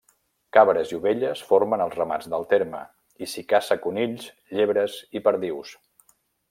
Cabres i ovelles formen els ramats del terme, i s'hi caça conills, llebres i perdius.